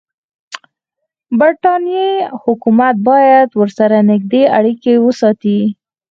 برټانیې حکومت باید ورسره نږدې اړیکې وساتي.